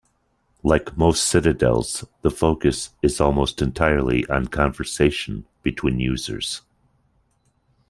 Like most Citadels, the focus is almost entirely on conversation between users.